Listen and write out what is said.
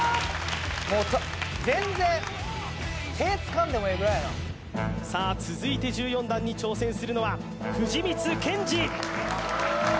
もう全然さあ続いて１４段に挑戦するのは藤光謙司